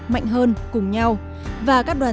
mạnh hơn cùng nhau và các đoàn